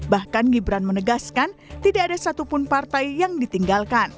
bahkan gibran menegaskan tidak ada satupun partai yang ditinggalkan